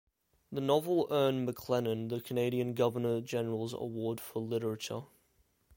The novel earned MacLennan the Canadian Governor General's Award for literature.